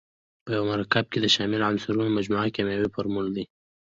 په یو مرکب کې د شاملو عنصرونو مجموعه کیمیاوي فورمول دی.